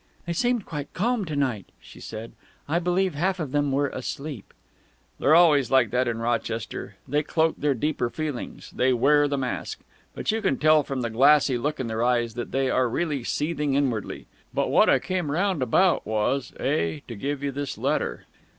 "They seemed quite calm to night," she said. "I believe half of them were asleep." "They're always like that in Rochester. They cloak their deeper feelings. They wear the mask. But you can tell from the glassy look in their eyes that they are really seething inwardly. But what I came round about was (a) to give you this letter...."